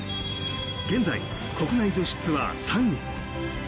現在、国内女子ツアー３位。